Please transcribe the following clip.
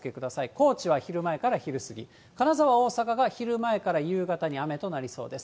高知は昼前から昼過ぎ、金沢、大阪が昼前から夕方に雨となりそうです。